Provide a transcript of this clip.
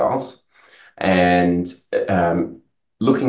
dari mencari kemampuan hidup yang sederhana